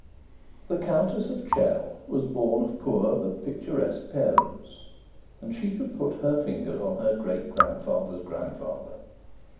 The Countess of Chell was born of poor but picturesque parents, and she could put her finger on her great grandfather's grandfather.